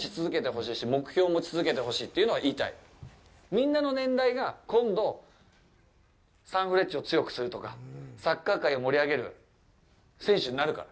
みんなの年代が今度サンフレッチェを強くするとかサッカー界を盛り上げる選手になるから。